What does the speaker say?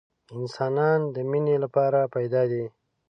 انسانان د مینې لپاره پیدا دي